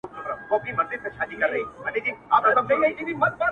دا دی له دې يې را جلا کړم، دا دی ستا يې کړم